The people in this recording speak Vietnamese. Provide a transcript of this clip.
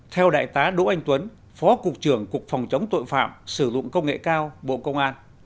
theo đại tá đỗ anh tuấn phó cục trưởng cục phòng chống tội phạm sử dụng công nghệ cao bộ công an